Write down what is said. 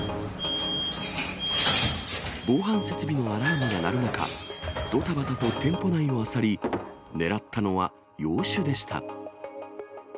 防犯設備のアラームが鳴る中、どたばたと店舗内を漁り、狙ったのは洋酒でした。